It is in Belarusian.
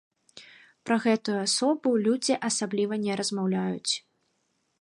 Пра гэтую асобу людзі асабліва не размаўляюць.